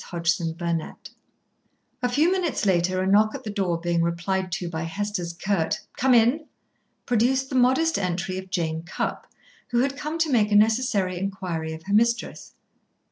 Chapter Seventeen A few minutes later a knock at the door being replied to by Hester's curt "Come in!" produced the modest entry of Jane Cupp, who had come to make a necessary inquiry of her mistress.